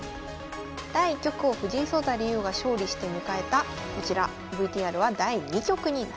第１局を藤井聡太竜王が勝利して迎えたこちらＶＴＲは第２局になります。